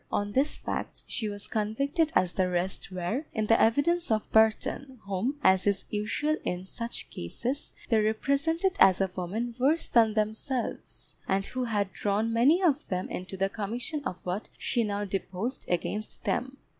On these facts she was convicted as the rest were, in the evidence of Burton, whom, as is usual in such cases, they represented as a woman worse than themselves, and who had drawn many of them into the commission of what she now deposed against them.